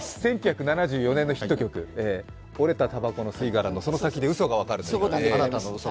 １９７４年のヒット曲、折れたたばこの吸い殻の、その先でうそが分かるという。